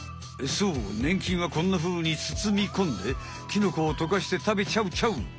そうねん菌はこんなふうにつつみこんでキノコをとかして食べちゃうちゃう！